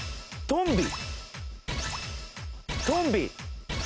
トンビ！